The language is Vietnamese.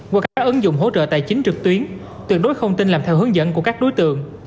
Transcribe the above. qua các ứng dụng hỗ trợ tài chính trực tuyến tuyệt đối không tin làm theo hướng dẫn của các đối tượng